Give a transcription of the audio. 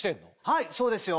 はいそうですよ。